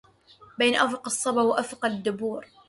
بين أفق الصبا وأفق الدبور